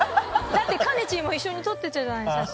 だってかねち−も一緒に撮ってたじゃない写真。